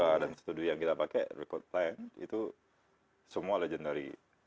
terus di tempat studio yang kita pakai record time itu semua legendary